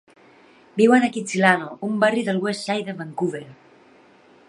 Viuen a Kitsilano, un barri del West Side de Vancouver.